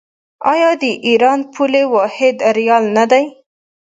آیا د ایران پولي واحد ریال نه دی؟